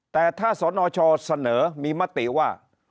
แต่ถ้าสนชเสนอมีมติว่า